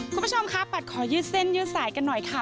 คุณผู้ชมคะปัดขอยืดเส้นยืดสายกันหน่อยค่ะ